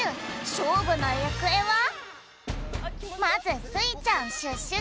しょうぶのゆくえは⁉まずスイちゃん＆シュッシュチーム。